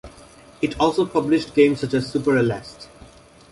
It also published games such as "Super Aleste".